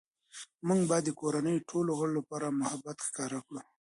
موږ باید د کورنۍ ټولو غړو لپاره محبت ښکاره کړو